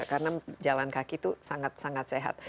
karena jalan kaki itu sangat sangat sehat